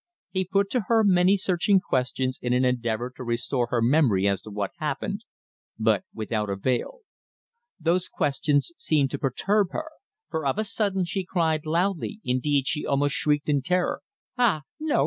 He put to her many searching questions in an endeavour to restore her memory as to what happened, but without avail. Those questions seemed to perturb her, for of a sudden she cried loudly, indeed she almost shrieked in terror: "Ah! no!